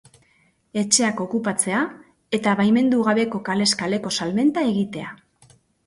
Etxeak okupatzea eta baimendu gabeko kalez kaleko salmenta egitea.